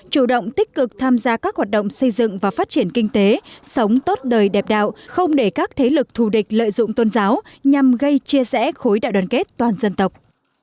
chủ động tích cực tham gia các hoạt động xây dựng và phát triển kinh tế sống tốt đời đẹp đạo không để các thế lực thù địch lợi dụng tôn giáo nhằm gây chia rẽ khối đại đoàn kết toàn dân tộc